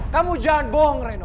kamu jangan bohong reno